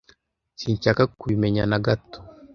sinshaka kubimenya nagato